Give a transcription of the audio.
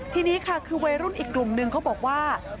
ทีนี้ค่ะคือวัยรุ่นอีกกลุ่มนึงเขาบอกว่า